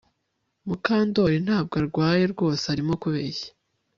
Mukandoli ntabwo arwaye rwose Arimo kubeshya